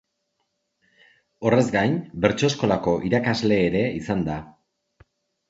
Horrez gain, bertso-eskolako irakasle ere izan da.